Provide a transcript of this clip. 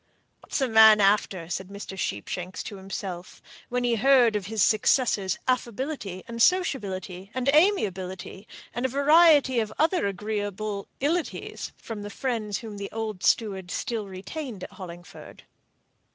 "What's the man after?" said Mr. Sheepshanks to himself, when he heard of his successor's affability, and sociability, and amiability, and a variety of other agreeable "ilities," from the friends whom the old steward still retained at Hollingford.